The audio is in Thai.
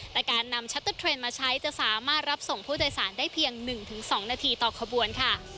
แต่การนำชัตเตอร์เทรนด์มาใช้จะสามารถรับส่งผู้โดยสารได้เพียง๑๒นาทีต่อขบวนค่ะ